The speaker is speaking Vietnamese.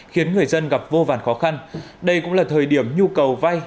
khiến người dân gặp vô vàn khó khăn đây cũng là thời điểm nhu cầu vay